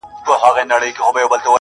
سیاه پوسي ده، خاوري مي ژوند سه.